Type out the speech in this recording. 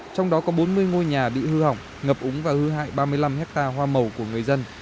trong đó có bốn mươi ngôi nhà bị hư hỏng ngập úng và hư hại ba mươi năm hectare hoa màu của người dân